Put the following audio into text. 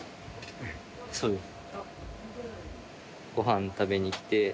そうです。